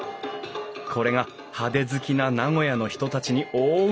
これが派手好きな名古屋の人たちに大受け。